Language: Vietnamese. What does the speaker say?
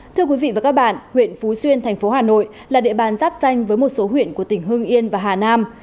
thưa quý vị và các bạn huyện phú xuyên thành phố hà nội là địa bàn giáp danh với một số huyện của tỉnh hưng yên và hà nam